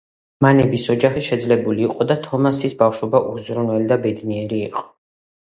მანების ოჯახი შეძლებული იყო და თომასის ბავშვობა უზრუნველი და ბედნიერი იყო.